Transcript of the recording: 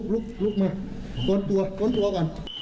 ลุกลุกลุก